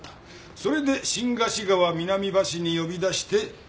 それで新河岸川南橋に呼び出して刺した。